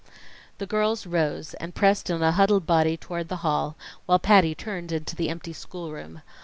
The girls rose and pressed in a huddled body toward the hall, while Patty turned into the empty schoolroom.